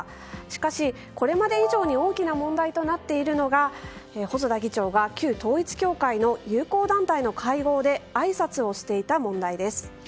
しかし、これまで以上に大きな問題となっているのが細田議長が旧統一教会の友好団体の会合であいさつをしていた問題です。